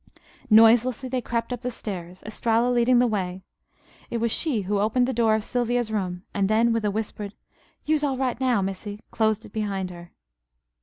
Noiselessly they crept up the stairs, Estralla leading the way. It was she who opened the door of Sylvia's room, and then with a whispered "Yo'se all right now, Missy," closed it behind her.